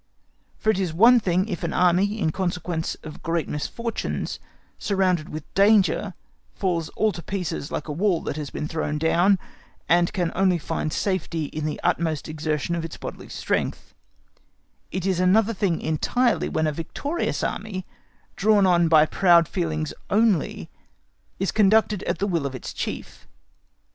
For it is one thing if an Army, in consequence of great misfortunes, surrounded with danger, falls all to pieces like a wall that has been thrown down, and can only find safety in the utmost exertion of its bodily strength; it is another thing entirely when a victorious Army, drawn on by proud feelings only, is conducted at the will of its Chief.